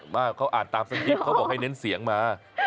มากเขาอ่านตามเป็นคลิปเขาบอกให้เน้นเสียงมา